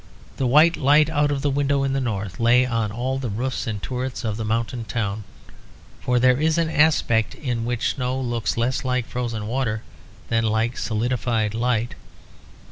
The white light out of the window in the north lay on all the roofs and turrets of the mountain town; for there is an aspect in which snow looks less like frozen water than like solidified light.